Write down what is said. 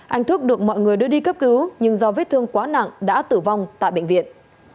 anh thúc được mọi người đưa đi cấp cứu nhưng do vết thương quá nặng đã tử vong tại bệnh viện